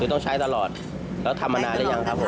อยู่ต้องใช้ตลอดแล้วทำอาณาได้ยังครับ